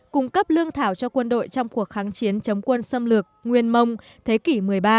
cung cấp lương thảo cho quân đội trong cuộc kháng chiến chống quân xâm lược nguyên mông thế kỷ một mươi ba